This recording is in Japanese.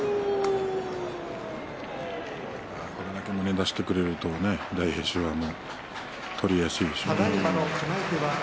これだけ胸を出してくれると大栄翔は取りやすいでしょう。